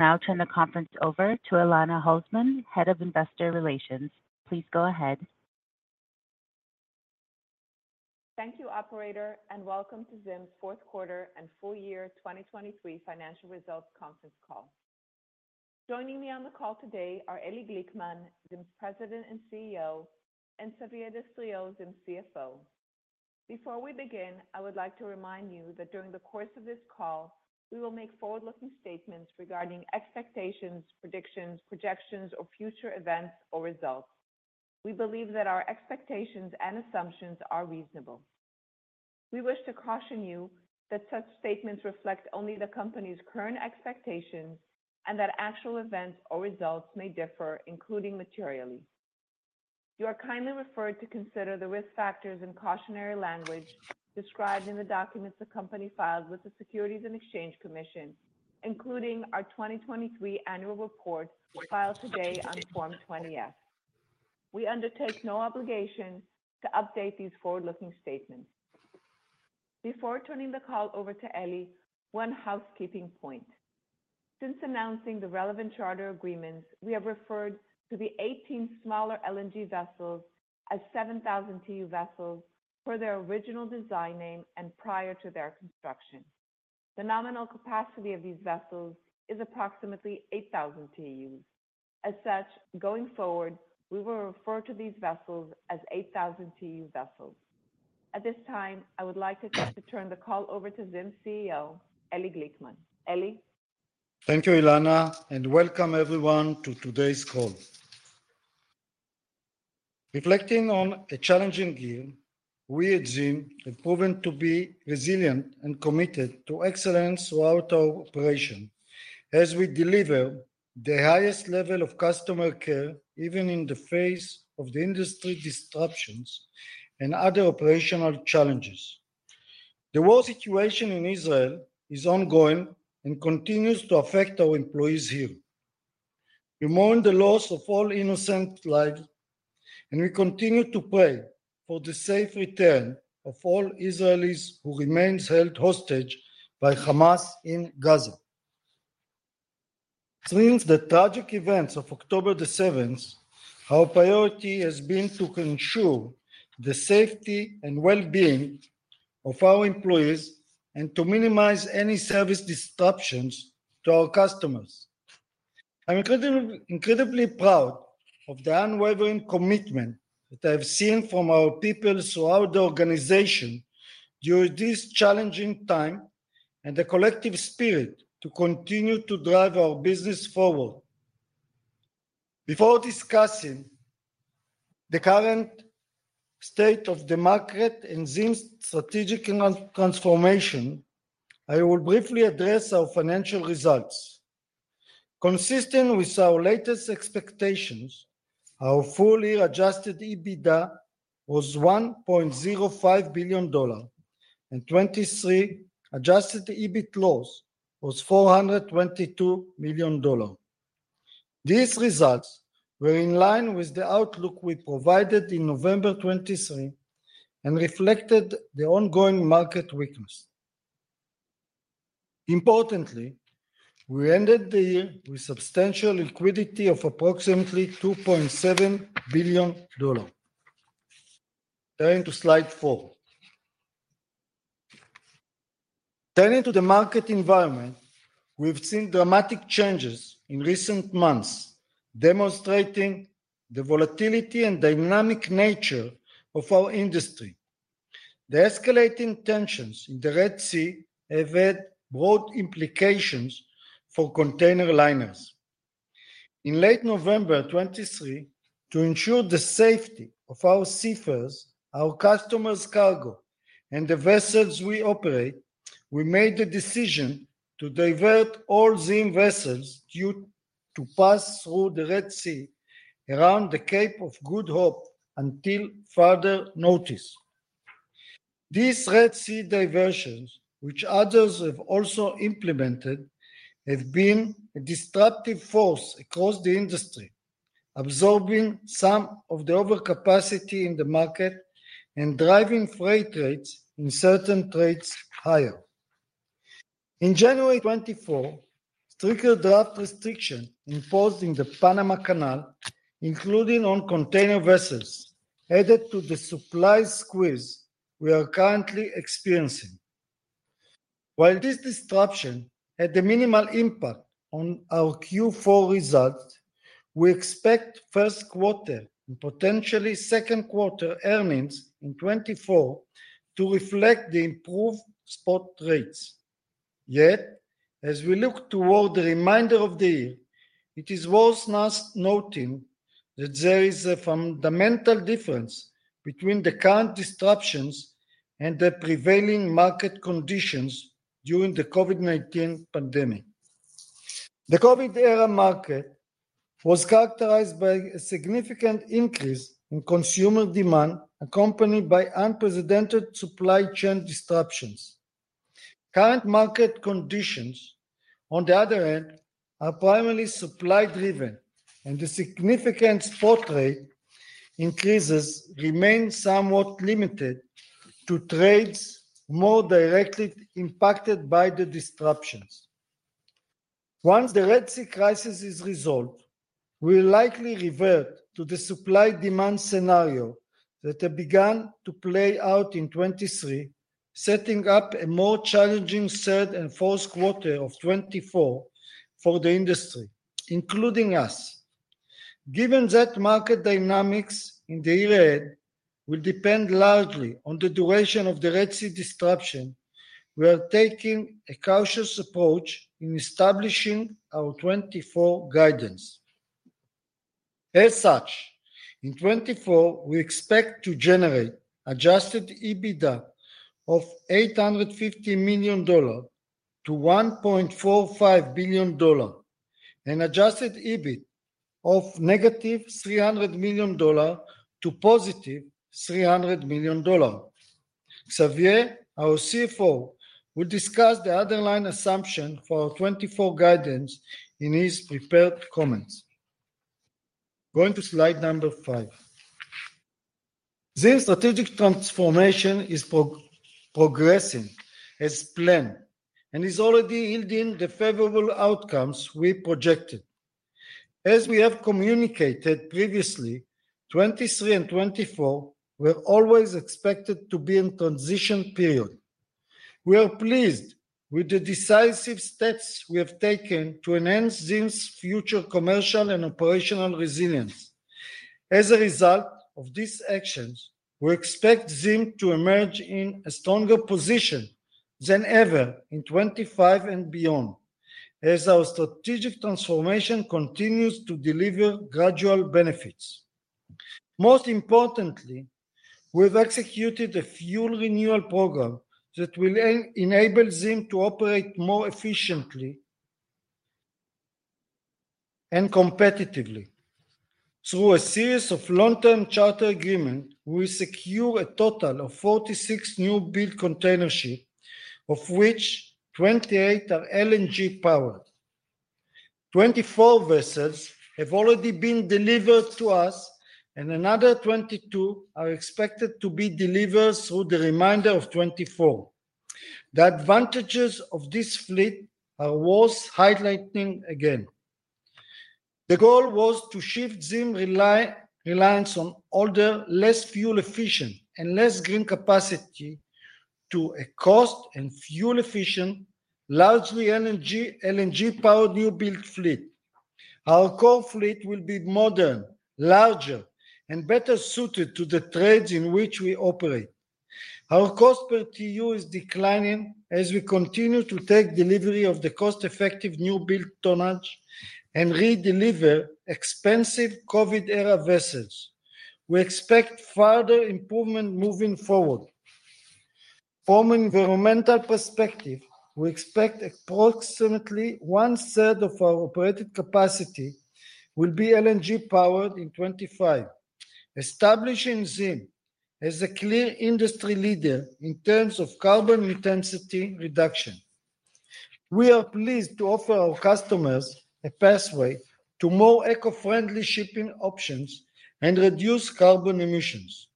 I now turn the conference over to Elana Holzman, Head of Investor Relations. Please go ahead. Thank you, operator, and welcome to ZIM's fourth quarter and full year 2023 financial results conference call. Joining me on the call today are Eli Glickman, ZIM's President and CEO, and Xavier Destriau, ZIM's CFO. Before we begin, I would like to remind you that during the course of this call, we will make forward-looking statements regarding expectations, predictions, projections, or future events or results. We believe that our expectations and assumptions are reasonable. We wish to caution you that such statements reflect only the company's current expectations and that actual events or results may differ, including materially. You are kindly referred to consider the risk factors and cautionary language described in the documents the company filed with the Securities and Exchange Commission, including our 2023 annual report filed today on Form 20-F. We undertake no obligation to update these forward-looking statements. Before turning the call over to Eli, one housekeeping point. Since announcing the relevant charter agreements, we have referred to the 18 smaller LNG vessels as 7,000-TEU vessels for their original design name and prior to their construction. The nominal capacity of these vessels is approximately 8,000 TEUs. As such, going forward, we will refer to these vessels as 8,000-TEU vessels. At this time, I would like to turn the call over to ZIM's CEO, Eli Glickman. Eli? Thank you, Elana, and welcome everyone to today's call. Reflecting on a challenging year, we at ZIM have proven to be resilient and committed to excellence throughout our operation as we deliver the highest level of customer care, even in the face of the industry disruptions and other operational challenges. The war situation in Israel is ongoing and continues to affect our employees here. We mourn the loss of all innocent lives, and we continue to pray for the safe return of all Israelis who remains held hostage by Hamas in Gaza. Since the tragic events of October 7th, our priority has been to ensure the safety and well-being of our employees and to minimize any service disruptions to our customers. I'm incredibly, incredibly proud of the unwavering commitment that I have seen from our people throughout the organization during this challenging time and the collective spirit to continue to drive our business forward. Before discussing the current state of the market and ZIM's strategic transformation, I will briefly address our financial results. Consistent with our latest expectations, our full year adjusted EBITDA was $1.05 billion, and 2023 adjusted EBIT loss was $422 million. These results were in line with the outlook we provided in November 2023 and reflected the ongoing market weakness. Importantly, we ended the year with substantial liquidity of approximately $2.7 billion. Turning to slide four. Turning to the market environment, we've seen dramatic changes in recent months, demonstrating the volatility and dynamic nature of our industry. The escalating tensions in the Red Sea have had broad implications for container liners. In late November 2023, to ensure the safety of our seafarers, our customers' cargo, and the vessels we operate, we made the decision to divert all ZIM vessels due to pass through the Red Sea around the Cape of Good Hope until further notice. These Red Sea diversions, which others have also implemented, have been a disruptive force across the industry, absorbing some of the overcapacity in the market and driving freight rates in certain trades higher. In January 2024, stricter draft restriction imposed in the Panama Canal, including on container vessels, added to the supply squeeze we are currently experiencing. While this disruption had a minimal impact on our Q4 results, we expect first quarter and potentially second quarter earnings in 2024 to reflect the improved spot rates. Yet, as we look toward the remainder of the year, it is worth us noting that there is a fundamental difference between the current disruptions and the prevailing market conditions during the COVID-19 pandemic. The COVID era market was characterized by a significant increase in consumer demand, accompanied by unprecedented supply chain disruptions. Current market conditions, on the other hand, are primarily supply driven... And the significant spot rate increases remain somewhat limited to trades more directly impacted by the disruptions. Once the Red Sea crisis is resolved, we'll likely revert to the supply-demand scenario that had begun to play out in 2023, setting up a more challenging third and fourth quarter of 2024 for the industry, including us. Given that market dynamics in the year ahead will depend largely on the duration of the Red Sea disruption, we are taking a cautious approach in establishing our 2024 guidance. As such, in 2024, we expect to generate adjusted EBITDA of $850 million-$1.45 billion, and adjusted EBIT of -$300 million to +$300 million. Xavier, our CFO, will discuss the underlying assumption for our 2024 guidance in his prepared comments. Going to slide number five. ZIM's strategic transformation is progressing as planned and is already yielding the favorable outcomes we projected. As we have communicated previously, 2023 and 2024 were always expected to be in transition period. We are pleased with the decisive steps we have taken to enhance ZIM's future commercial and operational resilience. As a result of these actions, we expect ZIM to emerge in a stronger position than ever in 2025 and beyond, as our strategic transformation continues to deliver gradual benefits. Most importantly, we've executed a fleet renewal program that will enable ZIM to operate more efficiently and competitively. Through a series of long-term charter agreements, we secured a total of 46 newbuild container ships, of which 28 are LNG-powered. 24 vessels have already been delivered to us, and another 22 are expected to be delivered through the remainder of 2024. The advantages of this fleet are worth highlighting again. The goal was to shift ZIM's reliance on older, less fuel efficient and less green capacity to a cost and fuel efficient, largely LNG-powered newbuild fleet. Our core fleet will be modern, larger, and better suited to the trades in which we operate. Our cost per TEU is declining as we continue to take delivery of the cost-effective newbuild tonnage and redeliver expensive COVID-era vessels. We expect further improvement moving forward. From environmental perspective, we expect approximately 1/3 of our operated capacity will be LNG-powered in 2025, establishing ZIM as a clear industry leader in terms of carbon intensity reduction. We are pleased to offer our customers a pathway to more eco-friendly shipping options and reduce carbon emissions.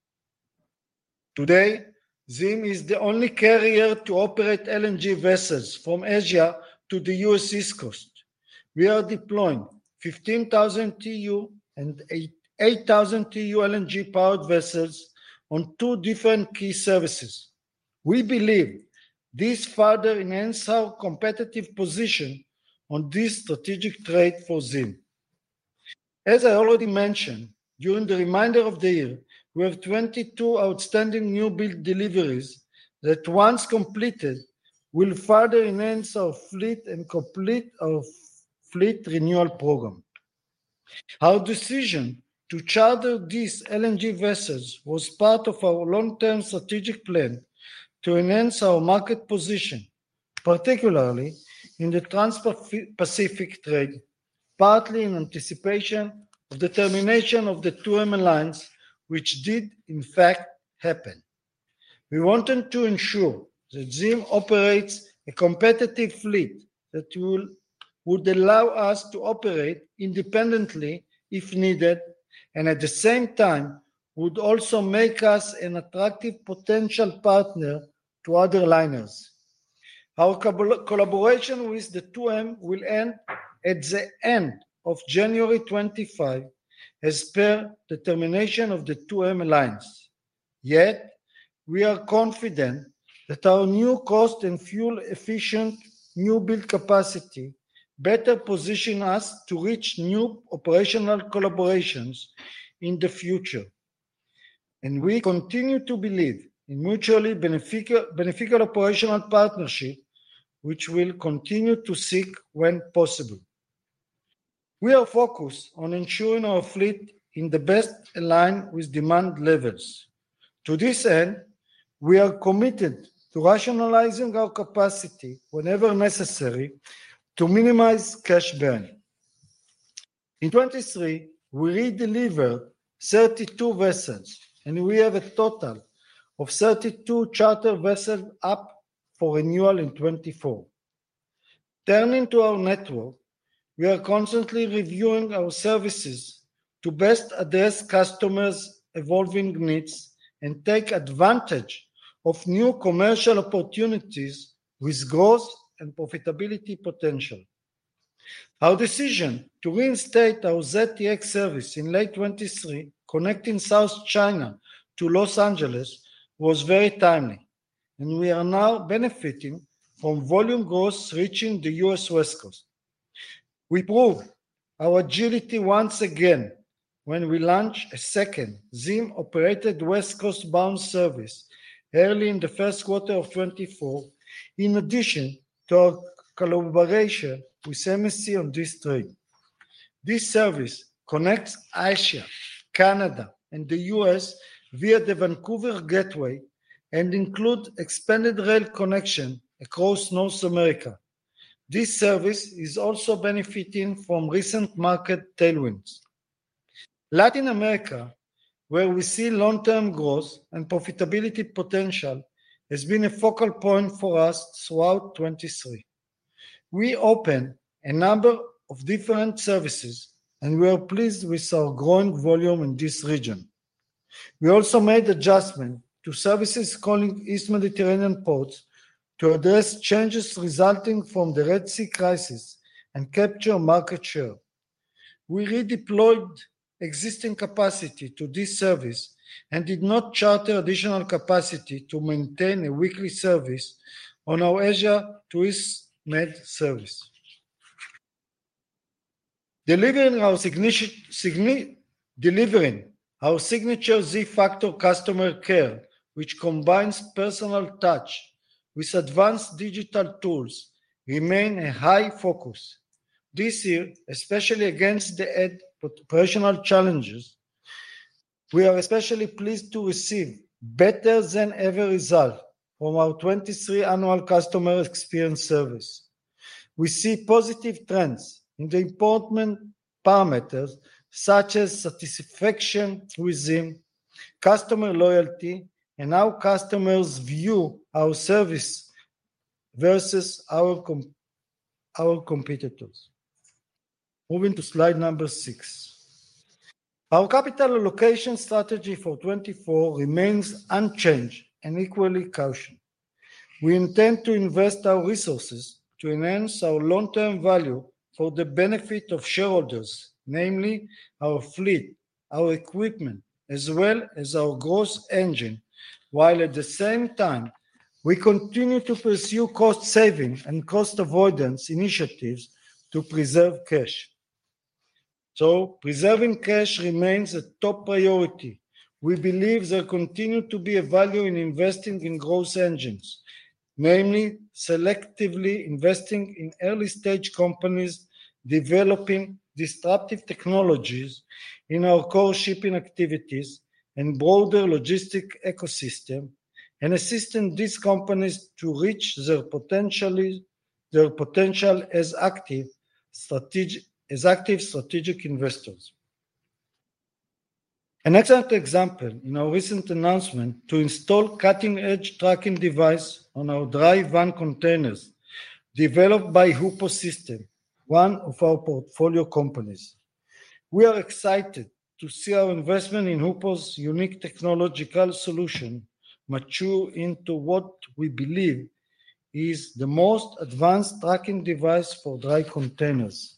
Today, ZIM is the only carrier to operate LNG vessels from Asia to the U.S. East Coast. We are deploying 15,000-TEU and 8,800-TEU LNG-powered vessels on two different key services. We believe this further enhance our competitive position on this strategic trade for ZIM. As I already mentioned, during the remainder of the year, we have 22 outstanding newbuild deliveries that, once completed, will further enhance our fleet and complete our fleet renewal program. Our decision to charter these LNG vessels was part of our long-term strategic plan to enhance our market position, particularly in the Transpacific trade, partly in anticipation of the termination of the 2M Alliance, which did in fact happen. We wanted to ensure that ZIM operates a competitive fleet that will, would allow us to operate independently if needed, and at the same time, would also make us an attractive potential partner to other liners. Our collaboration with the 2M Alliance will end at the end of January 2025, as per the termination of the 2M Alliance. Yet, we are confident that our new cost and fuel efficient newbuild capacity better position us to reach new operational collaborations in the future. We continue to believe in mutually beneficial, beneficial operational partnership, which we'll continue to seek when possible. We are focused on ensuring our fleet in the best align with demand levels. To this end, we are committed to rationalizing our capacity whenever necessary to minimize cash burn. In 2023, we redelivered 32 vessels, and we have a total of 32 charter vessels up for renewal in 2024. Turning to our network, we are constantly reviewing our services to best address customers' evolving needs and take advantage of new commercial opportunities with growth and profitability potential. Our decision to reinstate our ZEX service in late 2023, connecting South China to Los Angeles, was very timely, and we are now benefiting from volume growth reaching the U.S. West Coast. We proved our agility once again when we launched a second ZIM-operated West Coast-bound service early in the first quarter of 2024, in addition to our collaboration with MSC on this trade. This service connects Asia, Canada, and the U.S. via the Vancouver gateway and include expanded rail connection across North America. This service is also benefiting from recent market tailwinds. Latin America, where we see long-term growth and profitability potential, has been a focal point for us throughout 2023. We opened a number of different services, and we are pleased with our growing volume in this region. We also made adjustment to services calling East Mediterranean ports to address changes resulting from the Red Sea crisis and capture market share. We redeployed existing capacity to this service and did not charter additional capacity to maintain a weekly service on our Asia to East Med service. Delivering our signature Z Factor customer care, which combines personal touch with advanced digital tools, remain a high focus. This year, especially against the head operational challenges, we are especially pleased to receive better-than-ever result from our 2023 annual customer experience survey. We see positive trends in the important parameters, such as satisfaction with ZIM, customer loyalty, and our customers view our service versus our competitors. Moving to slide number six. Our capital allocation strategy for 2024 remains unchanged and equally cautioned. We intend to invest our resources to enhance our long-term value for the benefit of shareholders, namely our fleet, our equipment, as well as our growth engine, while at the same time, we continue to pursue cost savings and cost avoidance initiatives to preserve cash. So preserving cash remains a top priority. We believe there continue to be a value in investing in growth engines, mainly selectively investing in early-stage companies, developing disruptive technologies in our core shipping activities and broader logistic ecosystem, and assisting these companies to reach their potential as active strategic investors. An excellent example in our recent announcement to install cutting-edge tracking device on our dry van containers, developed by Hoopo, one of our portfolio companies. We are excited to see our investment in Hoopo's unique technological solution mature into what we believe is the most advanced tracking device for dry containers.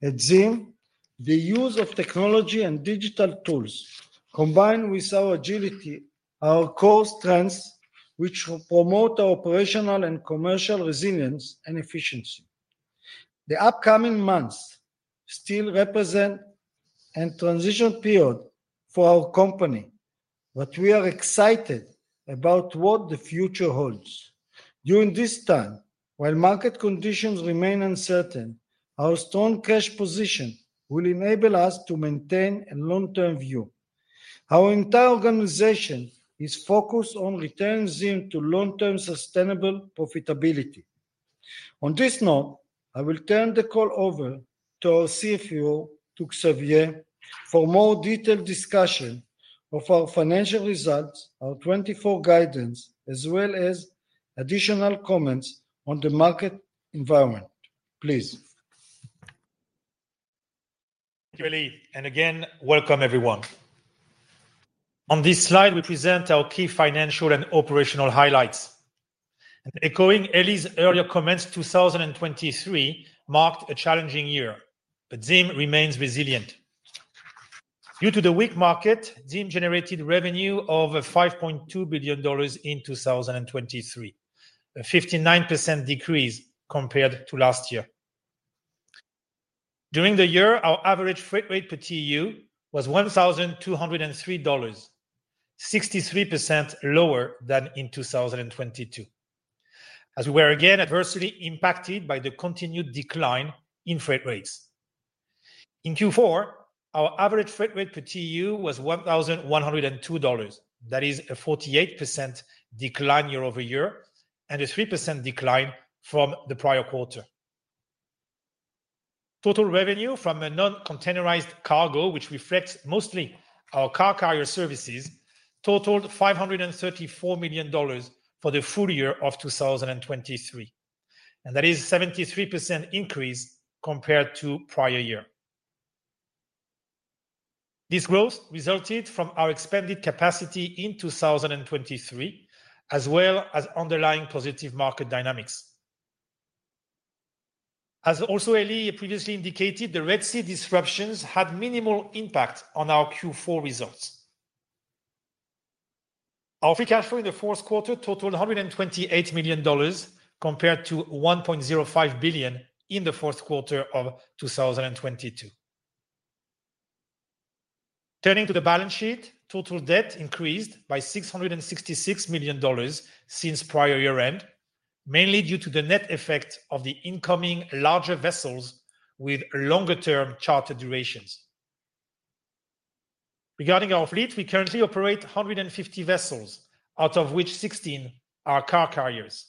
At ZIM, the use of technology and digital tools, combined with our agility, are our core strengths, which will promote our operational and commercial resilience and efficiency. The upcoming months still represent a transition period for our company, but we are excited about what the future holds. During this time, while market conditions remain uncertain, our strong cash position will enable us to maintain a long-term view. Our entire organization is focused on returning ZIM to long-term, sustainable profitability. On this note, I will turn the call over to our CFO, to Xavier, for more detailed discussion of our financial results, our 2024 guidance, as well as additional comments on the market environment. Please. Thank you, Eli, and again, welcome everyone. On this slide, we present our key financial and operational highlights. Echoing Eli's earlier comments, 2023 marked a challenging year, but ZIM remains resilient. Due to the weak market, ZIM generated revenue of $5.2 billion in 2023, a 59% decrease compared to last year. During the year, our average freight rate per TEU was $1,203, 63% lower than in 2022, as we were again adversely impacted by the continued decline in freight rates. In Q4, our average freight rate per TEU was $1,102. That is a 48% decline year-over-year and a 3% decline from the prior quarter. Total revenue from non-containerized cargo, which reflects mostly our car carrier services, totaled $534 million for the full year of 2023, and that is a 73% increase compared to prior year. This growth resulted from our expanded capacity in 2023, as well as underlying positive market dynamics. As also Eli previously indicated, the Red Sea disruptions had minimal impact on our Q4 results. Our free cash flow in the fourth quarter totaled $128 million, compared to $1.05 billion in the fourth quarter of 2022. Turning to the balance sheet, total debt increased by $666 million since prior year-end, mainly due to the net effect of the incoming larger vessels with longer-term charter durations. Regarding our fleet, we currently operate 150 vessels, out of which 16 are car carriers.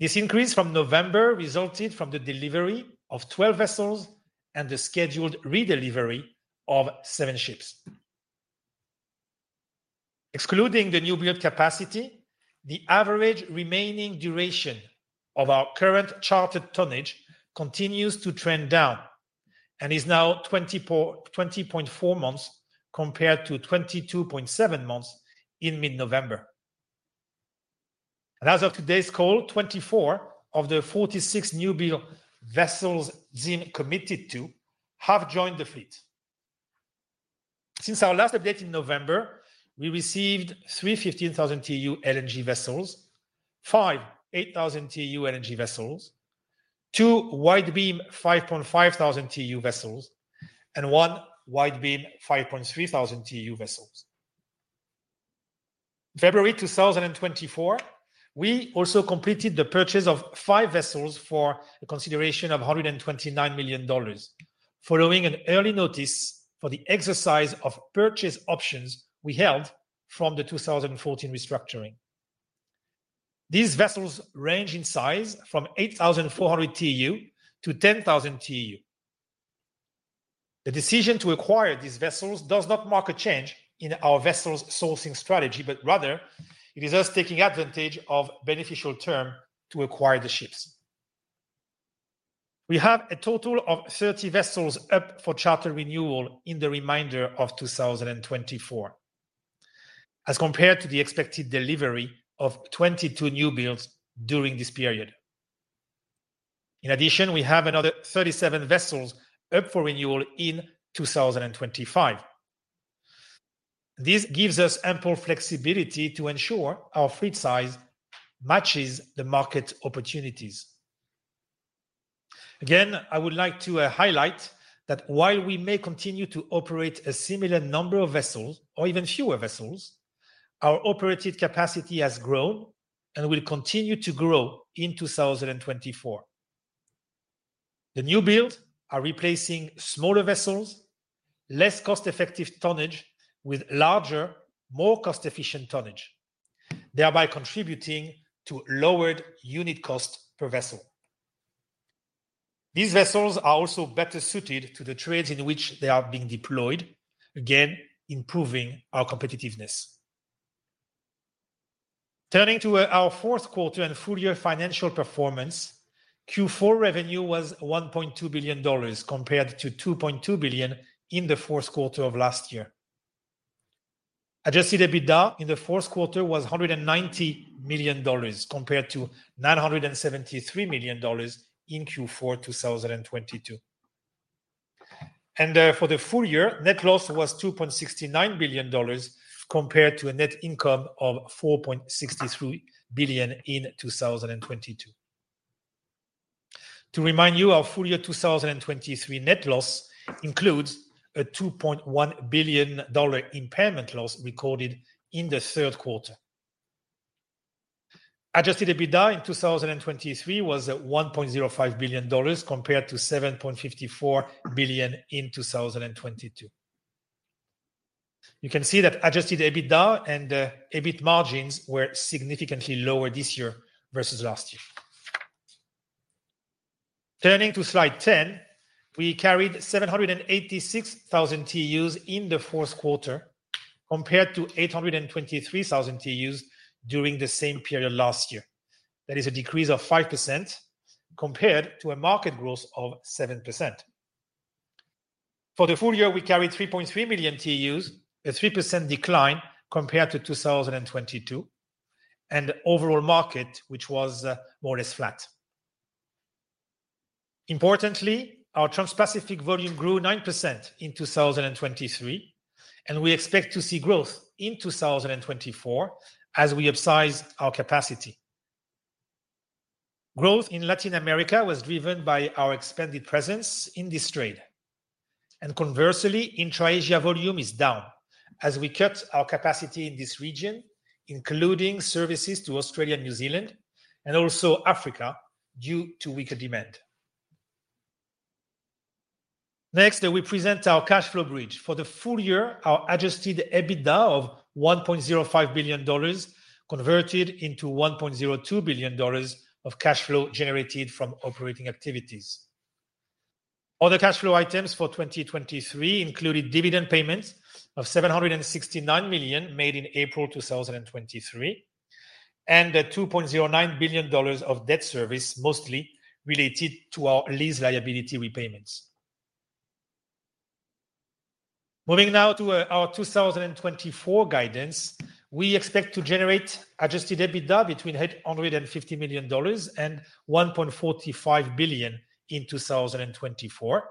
This increase from November resulted from the delivery of 12 vessels and the scheduled redelivery of seven ships. Excluding the newbuild capacity, the average remaining duration of our current chartered tonnage continues to trend down and is now 20.4 months, compared to 22.7 months in mid-November. And as of today's call, 24 of the 46 newbuild vessels ZIM committed to have joined the fleet. Since our last update in November, we received three 15,000-TEU LNG vessels, five 8,000-TEU LNG vessels, two wide-beam 5,500-TEU vessels, and one wide-beam 5,300-TEU vessels. In February 2024, we also completed the purchase of five vessels for a consideration of $129 million, following an early notice for the exercise of purchase options we held from the 2014 restructuring. These vessels range in size from 8,400 TEU-10,000 TEU. The decision to acquire these vessels does not mark a change in our vessels sourcing strategy, but rather it is us taking advantage of beneficial terms to acquire the ships. We have a total of 30 vessels up for charter renewal in the remainder of 2024, as compared to the expected delivery of 22 newbuilds during this period. In addition, we have another 37 vessels up for renewal in 2025. This gives us ample flexibility to ensure our fleet size matches the market opportunities. Again, I would like to highlight that while we may continue to operate a similar number of vessels or even fewer vessels, our operated capacity has grown and will continue to grow in 2024. The newbuilds are replacing smaller vessels, less cost-effective tonnage with larger, more cost-efficient tonnage, thereby contributing to lowered unit cost per vessel. These vessels are also better suited to the trades in which they are being deployed, again, improving our competitiveness. Turning to our fourth quarter and full year financial performance, Q4 revenue was $1.2 billion compared to $2.2 billion in the fourth quarter of last year. Adjusted EBITDA in the fourth quarter was $190 million, compared to $973 million in Q4 2022. For the full year, net loss was $2.69 billion compared to a net income of $4.63 billion in 2022. To remind you, our full year 2023 net loss includes a $2.1 billion impairment loss recorded in the third quarter. Adjusted EBITDA in 2023 was $1.05 billion compared to $7.54 billion in 2022. You can see that adjusted EBITDA and EBIT margins were significantly lower this year versus last year. Turning to slide 10, we carried 786,000 TEUs in the fourth quarter, compared to 823,000 TEUs during the same period last year. That is a decrease of 5% compared to a market growth of 7%. For the full year, we carried 3.3 million TEUs, a 3% decline compared to 2022, and the overall market, which was more or less flat. Importantly, our Transpacific volume grew 9% in 2023, and we expect to see growth in 2024 as we upsize our capacity. Growth in Latin America was driven by our expanded presence in this trade. And conversely, Intra-Asia volume is down as we cut our capacity in this region, including services to Australia and New Zealand, and also Africa, due to weaker demand. Next, we present our cash flow bridge. For the full year, our adjusted EBITDA of $1.05 billion converted into $1.02 billion of cash flow generated from operating activities. Other cash flow items for 2023 included dividend payments of $769 million made in April 2023, and the $2.09 billion of debt service, mostly related to our lease liability repayments. Moving now to our 2024 guidance, we expect to generate adjusted EBITDA between $850 million and $1.45 billion in 2024,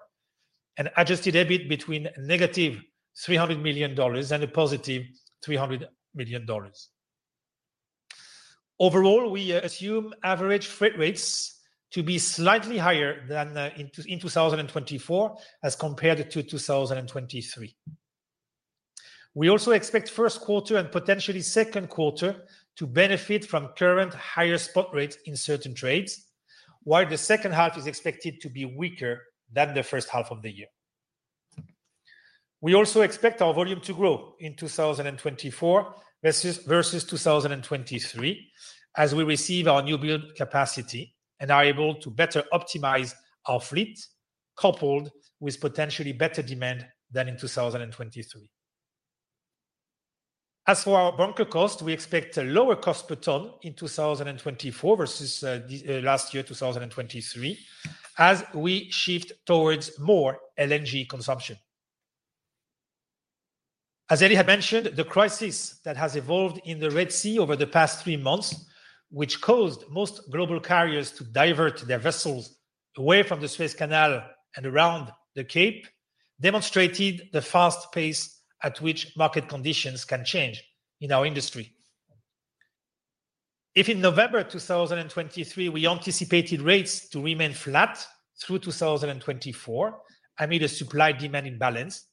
and adjusted EBIT between -$300 million and +$300 million. Overall, we assume average freight rates to be slightly higher than in 2024 as compared to 2023. We also expect first quarter and potentially second quarter to benefit from current higher spot rates in certain trades, while the second half is expected to be weaker than the first half of the year. We also expect our volume to grow in 2024 versus 2023, as we receive our newbuild capacity and are able to better optimize our fleet, coupled with potentially better demand than in 2023. As for our bunker cost, we expect a lower cost per ton in 2024 versus the last year, 2023, as we shift towards more LNG consumption. As Eli had mentioned, the crisis that has evolved in the Red Sea over the past three months, which caused most global carriers to divert their vessels away from the Suez Canal and around the Cape, demonstrated the fast pace at which market conditions can change in our industry. If in November 2023, we anticipated rates to remain flat through 2024, and with a supply-demand imbalance,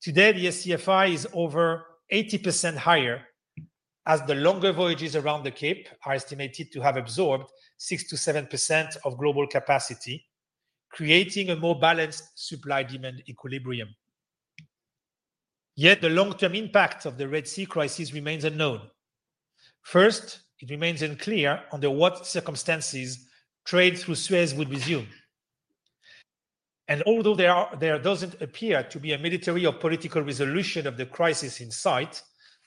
today, the SCFI is over 80% higher, as the longer voyages around the Cape are estimated to have absorbed 6%-7% of global capacity, creating a more balanced supply-demand equilibrium. Yet the long-term impact of the Red Sea crisis remains unknown. First, it remains unclear under what circumstances trade through Suez would resume. And although there doesn't appear to be a military or political resolution of the crisis in sight,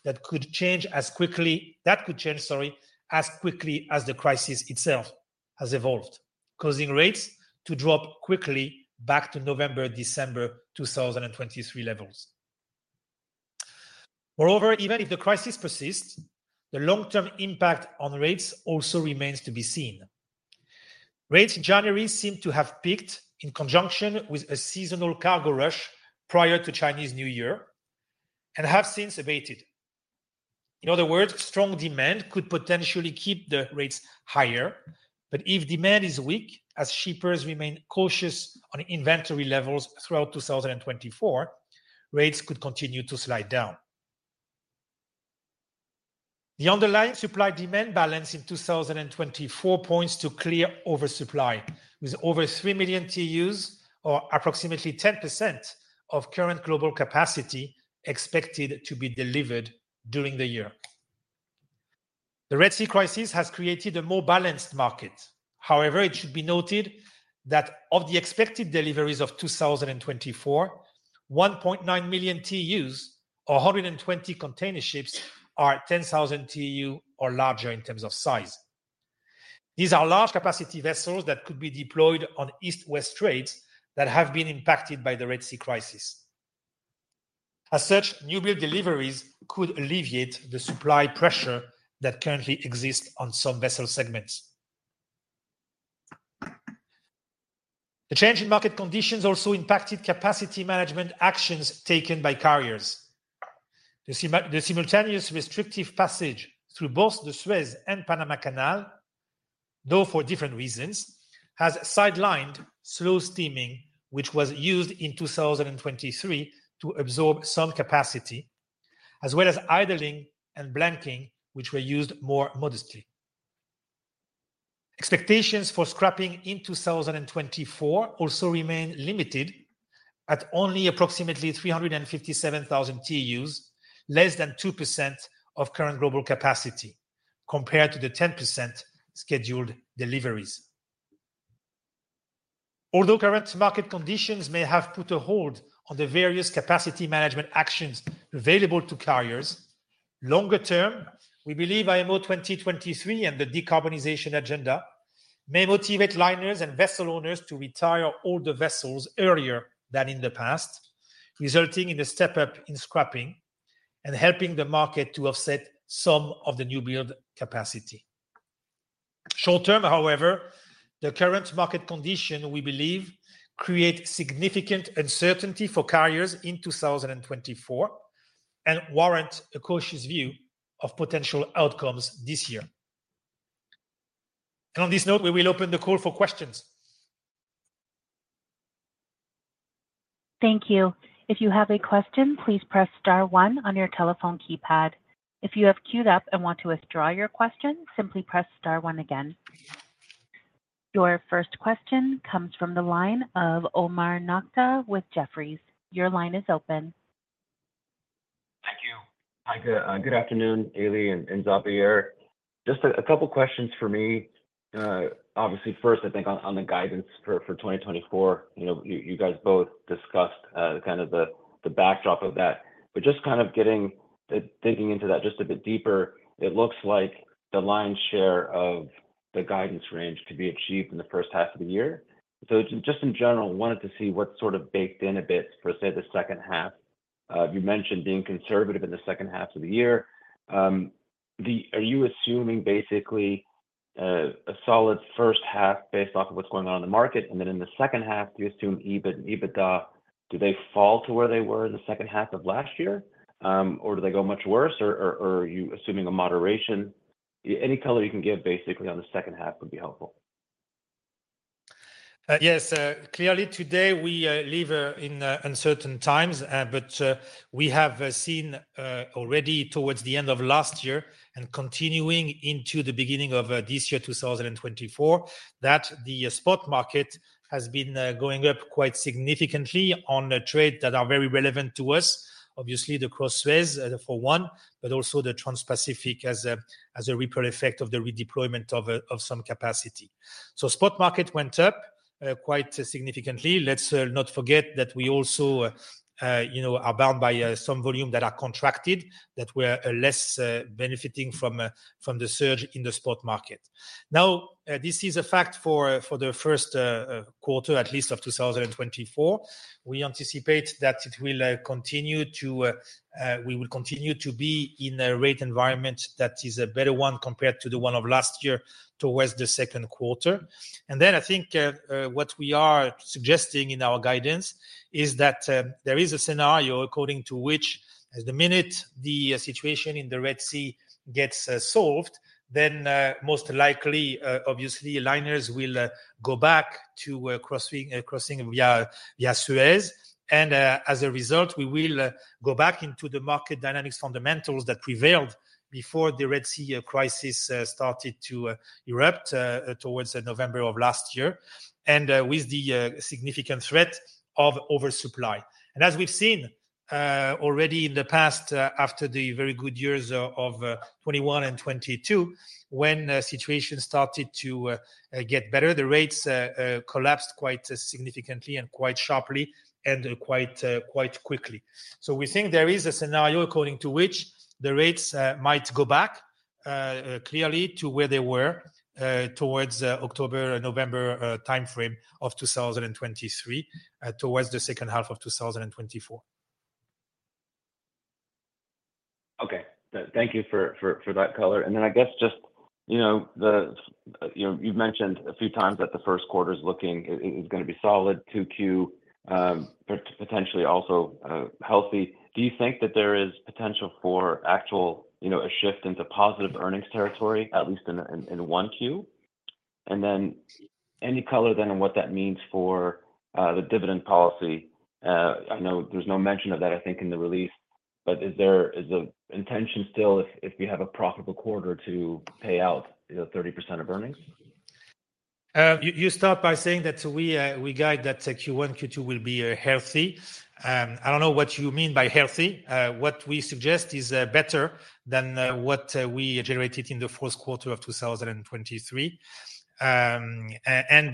that could change, sorry, as quickly as the crisis itself has evolved, causing rates to drop quickly back to November, December 2023 levels. Moreover, even if the crisis persists, the long-term impact on rates also remains to be seen. Rates in January seem to have peaked in conjunction with a seasonal cargo rush prior to Chinese New Year and have since abated. In other words, strong demand could potentially keep the rates higher, but if demand is weak, as shippers remain cautious on inventory levels throughout 2024, rates could continue to slide down. The underlying supply-demand balance in 2024 points to clear oversupply, with over 3 million TEUs, or approximately 10% of current global capacity, expected to be delivered during the year. The Red Sea crisis has created a more balanced market. However, it should be noted that of the expected deliveries of 2024, 1.9 million TEUs or 120 container ships are 10,000-TEU or larger in terms of size. These are large capacity vessels that could be deployed on East-West trades that have been impacted by the Red Sea crisis. As such, newbuild deliveries could alleviate the supply pressure that currently exists on some vessel segments. The change in market conditions also impacted capacity management actions taken by carriers. The simultaneous restrictive passage through both the Suez and Panama Canal, though for different reasons, has sidelined slow steaming, which was used in 2023 to absorb some capacity, as well as idling and blanking, which were used more modestly. Expectations for scrapping in 2024 also remain limited at only approximately 357,000 TEUs, less than 2% of current global capacity, compared to the 10% scheduled deliveries. Although current market conditions may have put a hold on the various capacity management actions available to carriers, longer term, we believe IMO 2023 and the decarbonization agenda may motivate liners and vessel owners to retire older vessels earlier than in the past, resulting in a step-up in scrapping and helping the market to offset some of the newbuild capacity. Short term, however, the current market condition, we believe, create significant uncertainty for carriers in 2024 and warrant a cautious view of potential outcomes this year. On this note, we will open the call for questions. Thank you. If you have a question, please press star one on your telephone keypad. If you have queued up and want to withdraw your question, simply press star one again. Your first question comes from the line of Omar Nokta with Jefferies. Your line is open. Thank you. Hi, good afternoon, Eli and Xavier. Just a couple questions for me. Obviously, first, I think on the guidance for 2024, you know, you guys both discussed kind of the backdrop of that. But just kind of getting digging into that just a bit deeper, it looks like the lion's share of the guidance range could be achieved in the first half of the year. So just in general, wanted to see what sort of baked in a bit for, say, the second half. You mentioned being conservative in the second half of the year. The... Are you assuming basically a solid first half based off of what's going on in the market? And then in the second half, do you assume EBIT and EBITDA, do they fall to where they were in the second half of last year? Or do they go much worse? Or are you assuming a moderation? Any color you can give basically on the second half would be helpful. Yes, clearly today we live in uncertain times, but we have seen already towards the end of last year and continuing into the beginning of this year, 2024, that the spot market has been going up quite significantly on the trade that are very relevant to us. Obviously, the cross-Suez for one, but also the Transpacific as a ripple effect of the redeployment of some capacity. So spot market went up quite significantly. Let's not forget that we also, you know, are bound by some volume that are contracted, that we are less benefiting from the surge in the spot market. Now, this is a fact for the first quarter at least of 2024. We anticipate that it will continue to, we will continue to be in a rate environment that is a better one compared to the one of last year towards the second quarter. And then I think what we are suggesting in our guidance is that there is a scenario according to which the minute the situation in the Red Sea gets solved, then most likely obviously liners will go back to crossing via Suez. And as a result, we will go back into the market dynamics fundamentals that prevailed before the Red Sea crisis started to erupt towards November of last year, and with the significant threat of oversupply. As we've seen already in the past, after the very good years of 2021 and 2022, when situations started to get better, the rates collapsed quite significantly and quite sharply and quite quickly. So we think there is a scenario according to which the rates might go back clearly to where they were towards October or November timeframe of 2023 towards the second half of 2024. Okay. Thank you for that color. And then I guess just, you know, you've mentioned a few times that the first quarter is looking, it's gonna be solid, 2Q, but potentially also healthy. Do you think that there is potential for actual, you know, a shift into positive earnings territory, at least in 1Q? And then any color then on what that means for the dividend policy? I know there's no mention of that, I think, in the release, but is the intention still, if we have a profitable quarter, to pay out, you know, 30% of earnings? You start by saying that we guide that Q1, Q2 will be healthy. I don't know what you mean by healthy. What we suggest is better than what we generated in the fourth quarter of 2023. And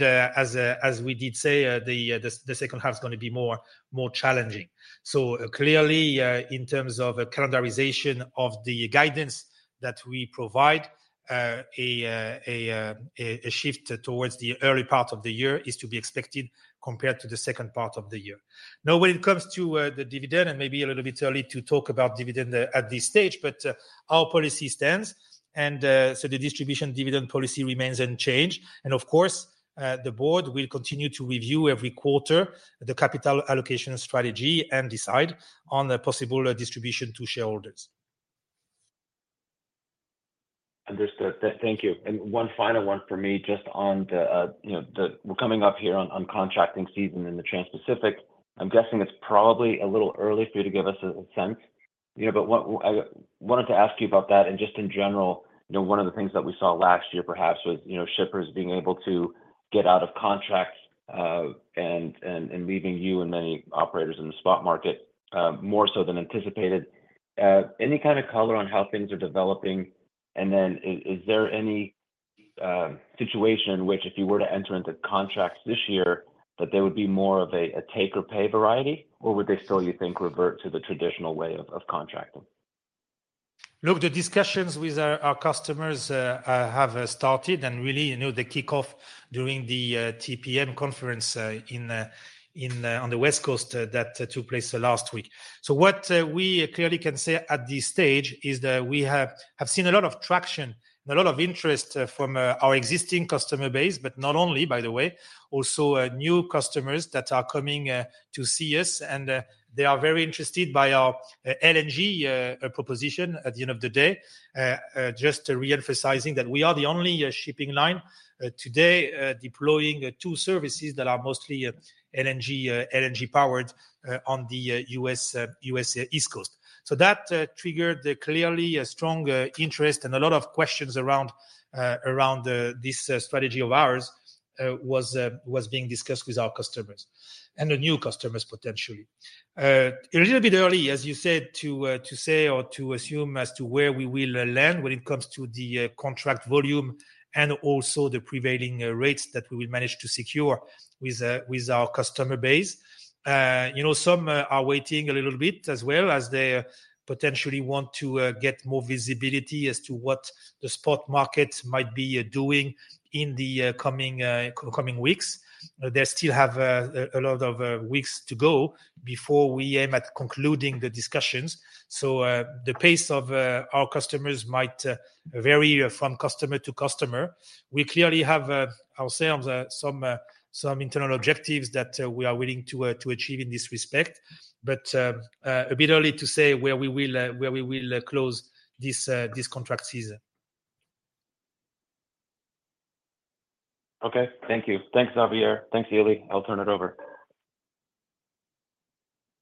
as we did say, the second half is gonna be more challenging. So clearly, in terms of calendarization of the guidance that we provide, a shift towards the early part of the year is to be expected, compared to the second part of the year. Now, when it comes to the dividend, and maybe a little bit early to talk about dividend at this stage, but our policy stands, and so the distribution dividend policy remains unchanged. Of course, the board will continue to review every quarter the capital allocation strategy and decide on the possible distribution to shareholders. Understood. Thank you. And one final one for me, just on the, you know, We're coming up here on contracting season in the Transpacific. I'm guessing it's probably a little early for you to give us a sense, you know, but what I wanted to ask you about that. And just in general, you know, one of the things that we saw last year perhaps was, you know, shippers being able to get out of contracts, and leaving you and many operators in the spot market, more so than anticipated. Any kind of color on how things are developing? Then, is there any situation in which, if you were to enter into contracts this year, that they would be more of a take-or-pay variety, or would they still, you think, revert to the traditional way of contracting? Look, the discussions with our customers have started, and really, you know, they kick off during the TPM Conference on the West Coast that took place last week. So what we clearly can say at this stage is that we have seen a lot of traction and a lot of interest from our existing customer base, but not only, by the way, also new customers that are coming to see us. And they are very interested by our LNG proposition at the end of the day. Just to re-emphasizing that we are the only shipping line today deploying two services that are mostly LNG-powered on the U.S. East Coast. So that triggered clearly a strong interest and a lot of questions around this strategy of ours was being discussed with our customers and the new customers potentially. A little bit early, as you said, to say or to assume as to where we will land when it comes to the contract volume and also the prevailing rates that we will manage to secure with our customer base. You know, some are waiting a little bit as well, as they potentially want to get more visibility as to what the spot market might be doing in the coming weeks. They still have a lot of weeks to go before we aim at concluding the discussions. So, the pace of our customers might vary from customer to customer. We clearly have ourselves some internal objectives that we are willing to achieve in this respect, but a bit early to say where we will close this contract season. Okay, thank you. Thanks, Xavier. Thanks, Eli. I'll turn it over.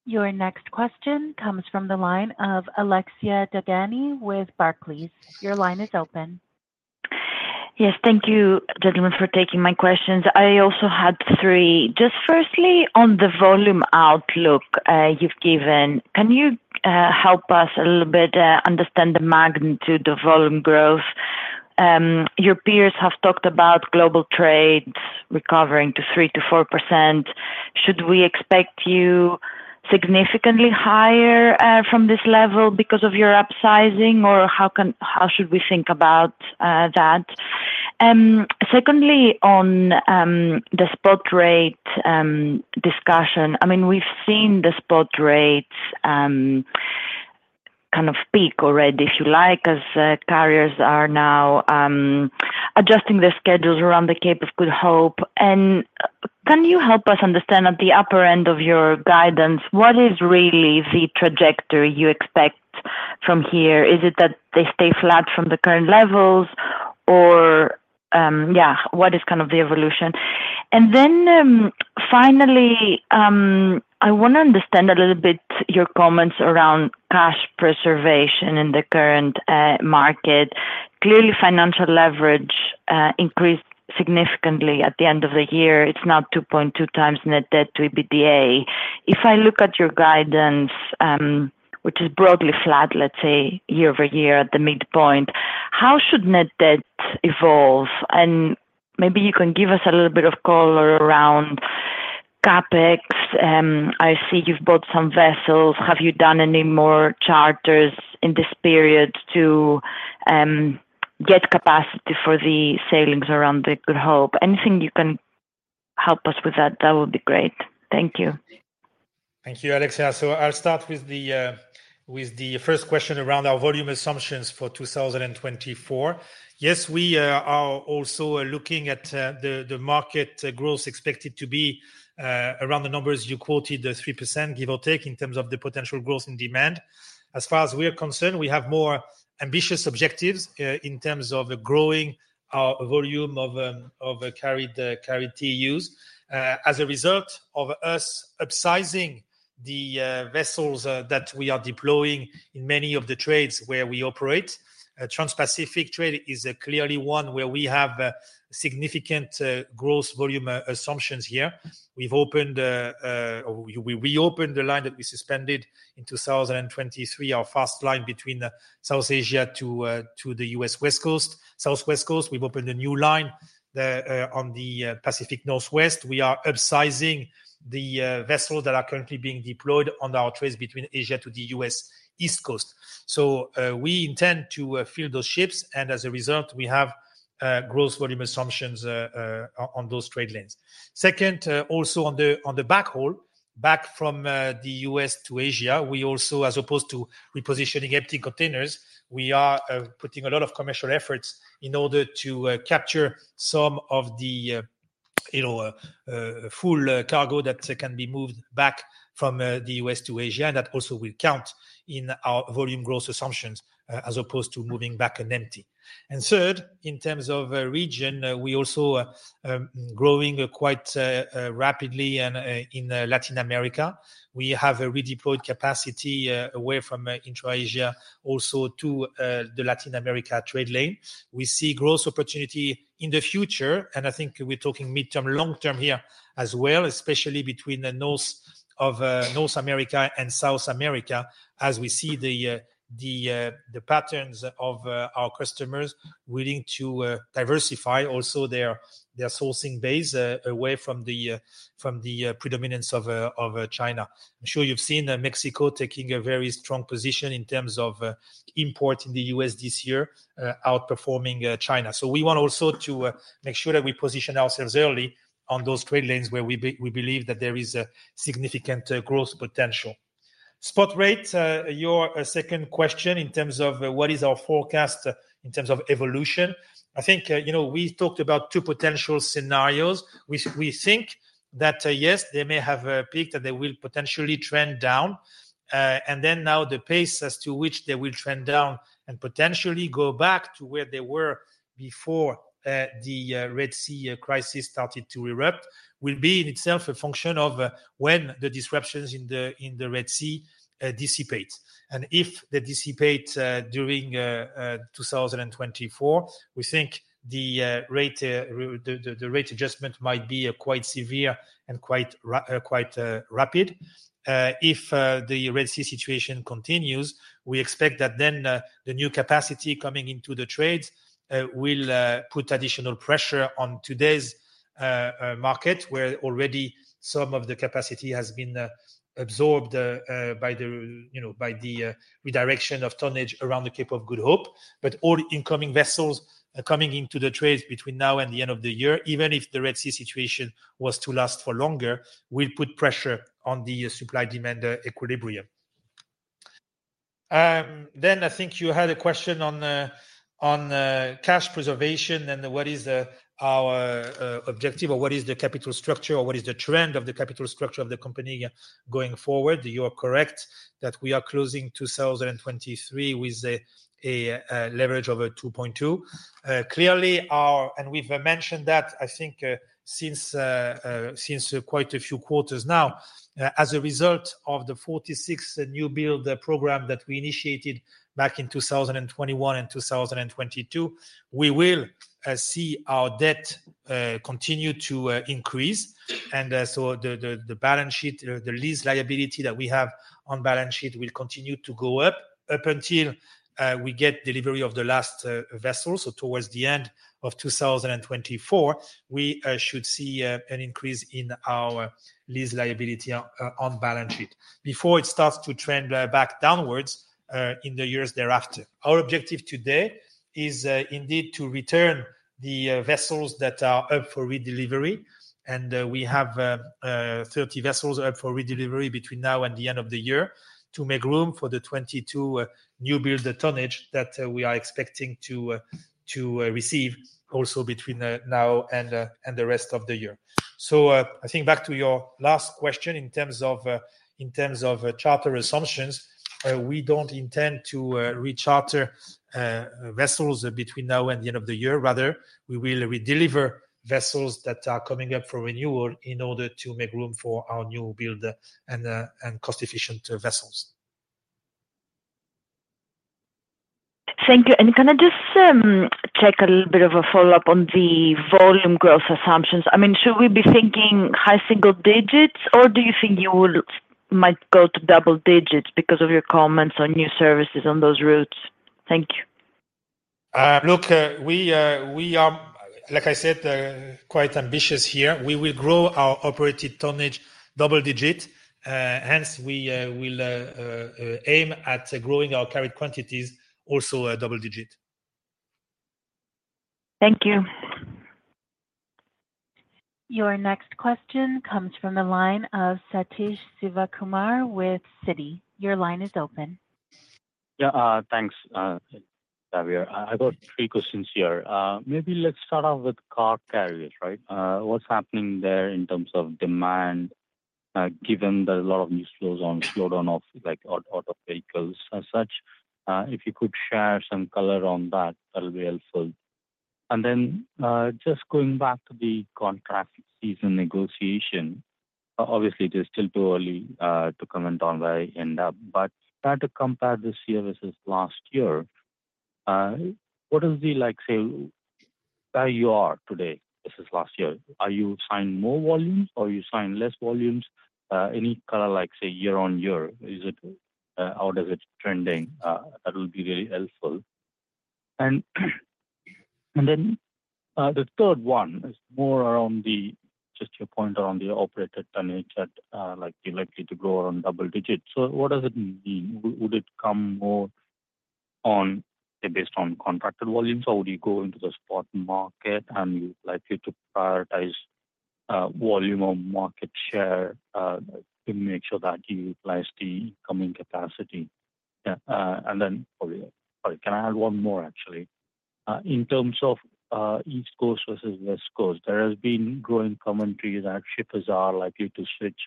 Your next question comes from the line of Alexia Dogani with Barclays. Your line is open. Yes. Thank you, gentlemen, for taking my questions. I also had three. Just firstly, on the volume outlook, you've given, can you, help us a little bit, understand the magnitude of volume growth? Your peers have talked about global trade recovering to 3%-4%. Should we expect you significantly higher, from this level because of your upsizing, or how can- how should we think about, that? Secondly, on, the spot rate, discussion, I mean, we've seen the spot rates, kind of peak already, if you like, as, carriers are now, adjusting their schedules around the Cape of Good Hope. And can you help us understand at the upper end of your guidance, what is really the trajectory you expect from here? Is it that they stay flat from the current levels or, yeah, what is kind of the evolution? And then, finally, I want to understand a little bit your comments around cash preservation in the current market. Clearly, financial leverage increased significantly at the end of the year. It's now 2.2x net debt to EBITDA. If I look at your guidance, which is broadly flat, let's say year-over-year at the midpoint, how should net debt evolve? And maybe you can give us a little bit of color around CapEx. I see you've bought some vessels. Have you done any more charters in this period to get capacity for the sailings around the Good Hope? Anything you can help us with that, that would be great. Thank you. Thank you, Alexia. So I'll start with the first question around our volume assumptions for 2024. Yes, we are also looking at the market growth expected to be around the numbers you quoted, the 3%, give or take, in terms of the potential growth in demand. As far as we are concerned, we have more ambitious objectives in terms of growing our volume of carried TEUs. As a result of us upsizing the vessels that we are deploying in many of the trades where we operate, Transpacific trade is clearly one where we have significant growth volume assumptions here. We've opened, we reopened the line that we suspended in 2023, our fast line between South China to the U.S. West Coast. We've opened a new line on the Pacific Northwest. We are upsizing the vessels that are currently being deployed on our trades between Asia to the U.S. East Coast. So, we intend to fill those ships, and as a result, we have growth volume assumptions on those trade lanes. Second, also on the backhaul back from the U.S. to Asia, we also, as opposed to repositioning empty containers, we are putting a lot of commercial efforts in order to capture some of the, you know, full cargo that can be moved back from the U.S. to Asia, and that also will count in our volume growth assumptions, as opposed to moving back an empty. Third, in terms of region, we also growing quite rapidly in Latin America. We have redeployed capacity away from Intra-Asia also to the Latin America trade lane. We see growth opportunity in the future, and I think we're talking midterm, long-term here as well, especially between North America and South America, as we see the patterns of our customers willing to diversify also their sourcing base away from the predominance of China. I'm sure you've seen Mexico taking a very strong position in terms of imports in the U.S. this year, outperforming China. So we want also to make sure that we position ourselves early on those trade lanes where we believe that there is a significant growth potential. Spot rate, your second question in terms of what is our forecast in terms of evolution, I think, you know, we talked about two potential scenarios. We think that yes, they may have peaked, that they will potentially trend down. And then now the pace as to which they will trend down and potentially go back to where they were before the Red Sea crisis started to erupt will be in itself a function of when the disruptions in the Red Sea dissipate. And if they dissipate during 2024, we think the rate adjustment might be quite severe and quite rapid. If the Red Sea situation continues, we expect that then the new capacity coming into the trades will put additional pressure on today's market, where already some of the capacity has been absorbed by the, you know, by the redirection of tonnage around the Cape of Good Hope. But all incoming vessels coming into the trades between now and the end of the year, even if the Red Sea situation was to last for longer, will put pressure on the supply-demand equilibrium. Then I think you had a question on cash preservation and what is our objective, or what is the capital structure, or what is the trend of the capital structure of the company going forward? You are correct that we are closing 2023 with a leverage over 2.2. Clearly, we've mentioned that, I think, since quite a few quarters now. As a result of the 46 newbuild program that we initiated back in 2021 and 2022, we will see our debt continue to increase. So the balance sheet, the lease liability that we have on balance sheet will continue to go up until we get delivery of the last vessel. So towards the end of 2024, we should see an increase in our lease liability on balance sheet before it starts to trend back downwards in the years thereafter. Our objective today is indeed to return the vessels that are up for redelivery, and we have 30 vessels up for redelivery between now and the end of the year, to make room for the 22 newbuild tonnage that we are expecting to receive also between now and the rest of the year. So, I think back to your last question in terms of charter assumptions, we don't intend to recharter vessels between now and the end of the year. Rather, we will redeliver vessels that are coming up for renewal in order to make room for our newbuild and cost-efficient vessels. Thank you. Can I just check a little bit of a follow-up on the volume growth assumptions? I mean, should we be thinking high single digits, or do you think you will might go to double digits because of your comments on new services on those routes? Thank you. Look, we are, like I said, quite ambitious here. We will grow our operated tonnage double digit. Hence, we will aim at growing our carried quantities also double digit. Thank you. Your next question comes from the line of Sathish Sivakumar with Citi. Your line is open. Yeah, thanks, Xavier. I got three questions here. Maybe let's start off with car carriers, right? What's happening there in terms of demand, given that a lot of new flows on roll-on roll-off, like, auto vehicles as such, if you could share some color on that, that will be helpful. And then, just going back to the contract season negotiation, obviously, it is still too early, to comment on where I end up, but try to compare this year versus last year, what is the like, say, where you are today versus last year? Are you signing more volumes or you sign less volumes? Any color, like, say, year-on-year, is it, how does it trending? That will be very helpful. The third one is more around the, just your point around the operated tonnage that, like, you're likely to grow around double digits. So what does it mean? Would it come more on, based on contracted volumes, or would you go into the spot market and you're likely to prioritize, volume or market share, to make sure that you utilize the incoming capacity? Sorry, sorry, can I add one more, actually? In terms of, East Coast versus West Coast, there has been growing commentaries that shippers are likely to switch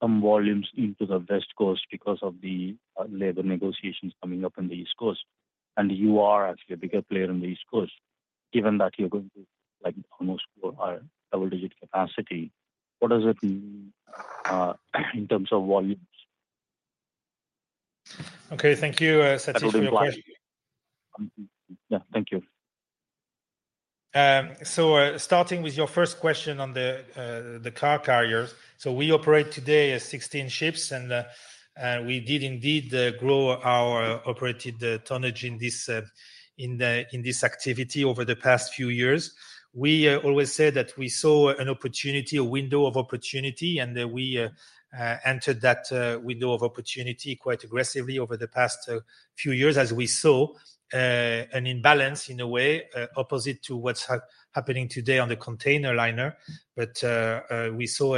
some volumes into the West Coast because of the, labor negotiations coming up on the East Coast, and you are actually a bigger player on the East Coast. Given that you're going to, like, almost double digit capacity, what does it mean, in terms of volumes? Okay, thank you, Satish, for your question. Yeah, thank you. So, starting with your first question on the car carriers. So we operate today as 16 ships, and we did indeed grow our operated tonnage in this activity over the past few years. We always said that we saw an opportunity, a window of opportunity, and we entered that window of opportunity quite aggressively over the past few years as we saw an imbalance in a way, opposite to what's happening today on the container liner. But we saw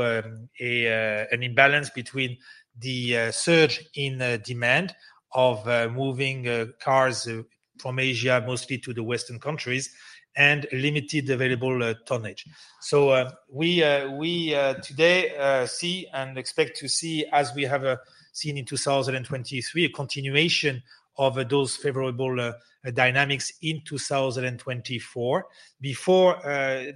an imbalance between the surge in demand of moving cars from Asia, mostly to the Western countries, and limited available tonnage. So, we today see and expect to see, as we have seen in 2023, a continuation of those favorable dynamics in 2024, before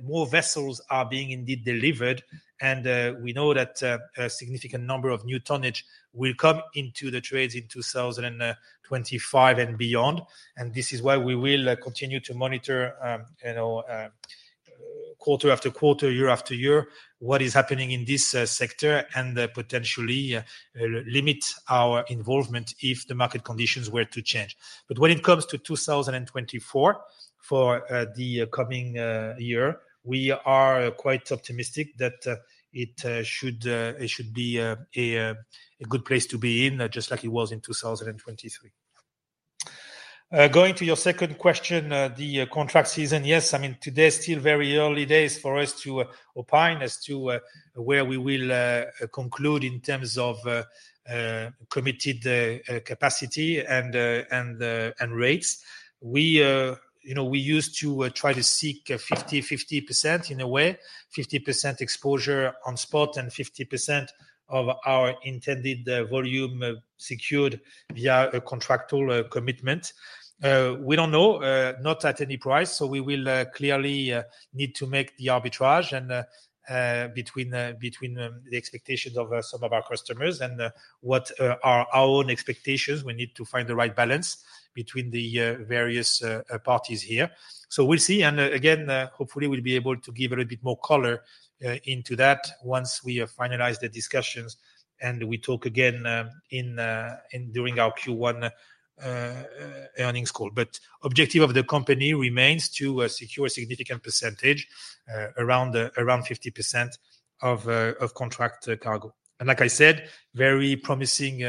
more vessels are being indeed delivered. We know that a significant number of new tonnage will come into the trades in 2025 and beyond. This is why we will continue to monitor, you know, quarter-after-quarter, year-after-year, what is happening in this sector, and potentially limit our involvement if the market conditions were to change. But when it comes to 2024, for the coming year, we are quite optimistic that it should, it should be a good place to be in, just like it was in 2023. Going to your second question, the contract season. Yes, I mean, today is still very early days for us to opine as to where we will conclude in terms of committed capacity and and and rates. We you know, we used to try to seek 50/50%, in a way, 50% exposure on spot and 50% of our intended volume secured via a contractual commitment. We don't know, not at any price, so we will clearly need to make the arbitrage and between the expectations of some of our customers and what are our own expectations. We need to find the right balance between the various parties here. So we'll see, and again, hopefully, we'll be able to give a little bit more color into that once we have finalized the discussions, and we talk again during our Q1 earnings call. But objective of the company remains to secure a significant percentage around 50% of contract cargo. And like I said, very promising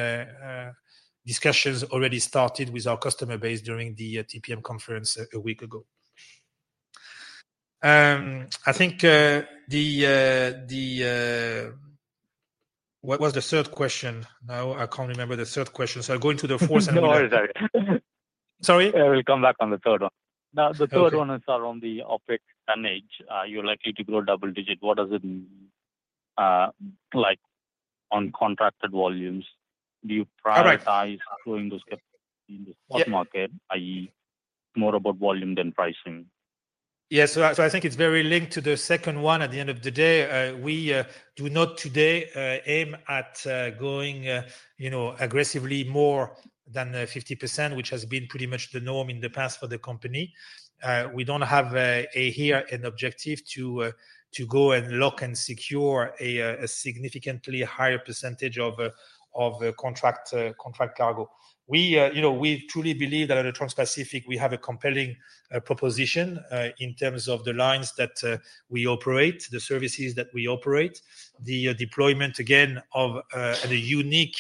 discussions already started with our customer base during the TPM Conference a week ago. I think the... What was the third question now? I can't remember the third question, so I'll go into the fourth and- No worries. Sorry? We'll come back on the third one. Okay. Now, the third one is around the operated tonnage. Are you likely to grow double digit? What does it mean, like, on contracted volumes? All right. Do you prioritize growing those in the spot market, i.e., more about volume than pricing? Yes. So I think it's very linked to the second one at the end of the day. We do not today aim at going, you know, aggressively more than 50%, which has been pretty much the norm in the past for the company. We don't have here an objective to go and lock and secure a significantly higher percentage of contract cargo. We, you know, we truly believe that at Transpacific, we have a compelling proposition in terms of the lines that we operate, the services that we operate. The deployment, again, of the unique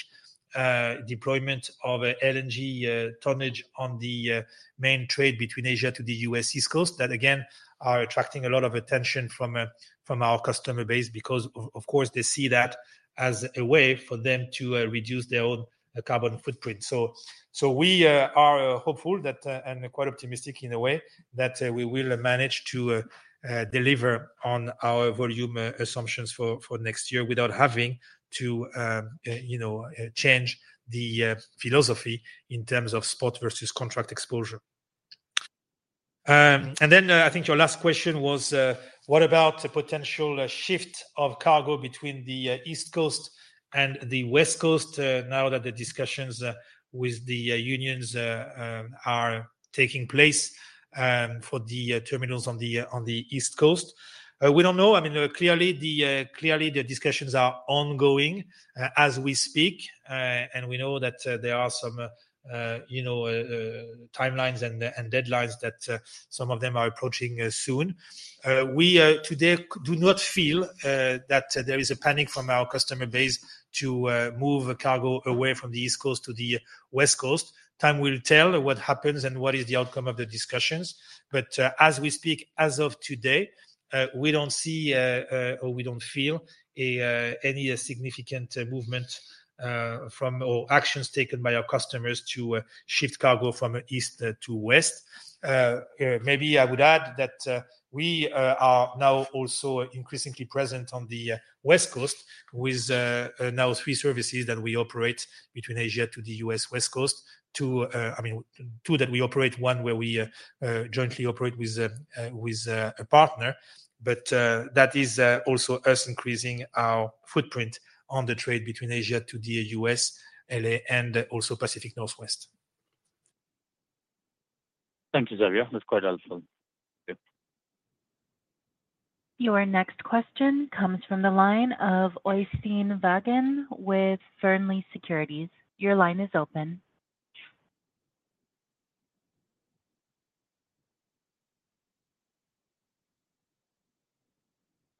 deployment of LNG tonnage on the main trade between Asia to the U.S. East Coast. That, again, are attracting a lot of attention from, from our customer base, because, of course, they see that as a way for them to, reduce their own carbon footprint. So, so we, are hopeful that, and quite optimistic in a way, that, we will manage to, deliver on our volume, assumptions for, for next year without having to, you know, change the, philosophy in terms of spot versus contract exposure. And then, I think your last question was, what about a potential shift of cargo between the, East Coast and the West Coast, now that the discussions, with the, unions, are taking place, for the, terminals on the, on the East Coast? We don't know. I mean, clearly, clearly, the discussions are ongoing, as we speak, and we know that there are some, you know, timelines and, and deadlines that some of them are approaching soon. We today do not feel that there is a panic from our customer base to move cargo away from the East Coast to the West Coast. Time will tell what happens and what is the outcome of the discussions. But, as we speak, as of today, we don't see or we don't feel any significant movement from... or actions taken by our customers to shift cargo from East to West. Maybe I would add that we are now also increasingly present on the West Coast with now three services that we operate between Asia to the U.S. West Coast. Two, I mean, two that we operate, one where we jointly operate with a, with a partner, but that is also us increasing our footprint on the trade between Asia to the U.S., L.A., and also Pacific Northwest. Thank you, Xavier. That's quite helpful. Thank you. Your next question comes from the line of Øystein Vaagen with Fearnley Securities. Your line is open.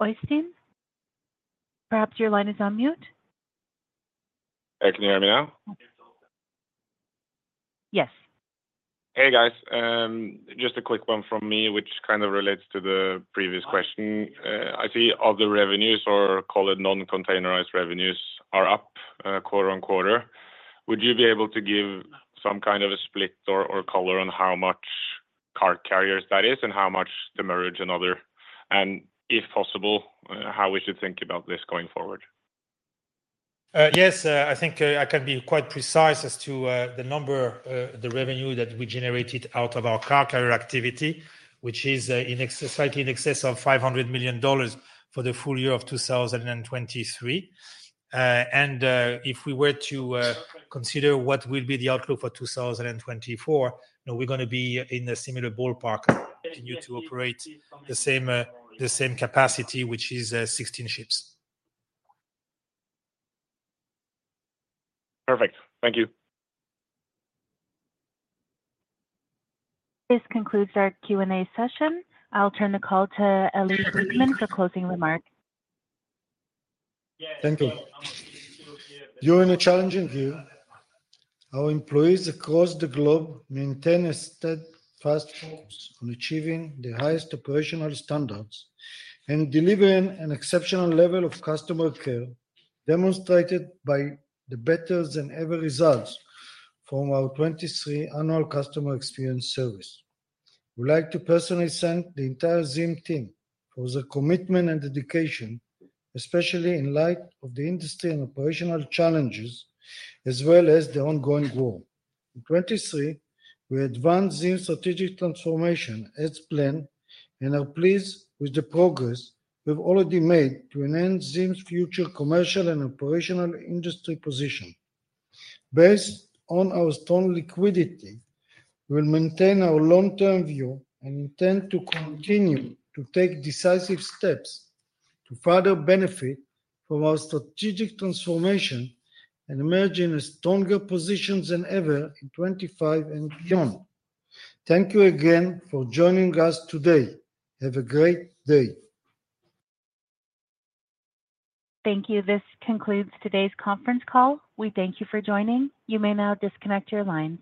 Øystein, perhaps your line is on mute? Hey, can you hear me now? Yes. Hey, guys. Just a quick one from me, which kind of relates to the previous question. I see all the revenues, or call it non-containerized revenues, are up quarter-over-quarter. Would you be able to give some kind of a split or, or color on how much car carriers that is and how much the demurrage and other? And if possible, how we should think about this going forward? Yes, I think I can be quite precise as to the number, the revenue that we generated out of our car carrier activity, which is, in excess, slightly in excess of $500 million for the full year of 2023. And, if we were to consider what will be the outlook for 2024, we're gonna be in a similar ballpark, continue to operate the same, the same capacity, which is 16 ships. Perfect. Thank you. This concludes our Q&A session. I'll turn the call to Eli Glickman for closing remarks. Thank you. During a challenging year, our employees across the globe maintained a steadfast focus on achieving the highest operational standards and delivering an exceptional level of customer care, demonstrated by the better-than-ever results from our 2023 annual customer experience survey. We'd like to personally thank the entire ZIM team for their commitment and dedication, especially in light of the industry and operational challenges, as well as the ongoing war. In 2023, we advanced ZIM's strategic transformation as planned and are pleased with the progress we've already made to enhance ZIM's future commercial and operational industry position. Based on our strong liquidity, we'll maintain our long-term view and intend to continue to take decisive steps to further benefit from our strategic transformation and emerge in a stronger position than ever in 2025 and beyond. Thank you again for joining us today. Have a great day. Thank you. This concludes today's conference call. We thank you for joining. You may now disconnect your line.